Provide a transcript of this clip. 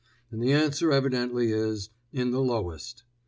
And the answer evidently is in the lowest.